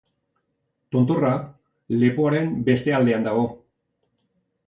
Tontorra, lepoaren beste aldean dago.